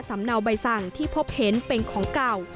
เนาใบสั่งที่พบเห็นเป็นของเก่า